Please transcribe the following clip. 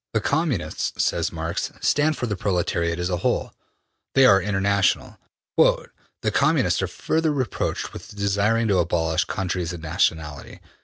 '' The Communists, says Marx, stand for the proletariat as a whole. They are international. ``The Communists are further reproached with desiring to abolish countries and nationality.